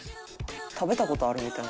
「食べた事あるみたいな」